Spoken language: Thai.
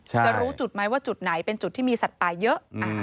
จะรู้จุดไหมว่าจุดไหนเป็นจุดที่มีสัตว์ป่าเยอะ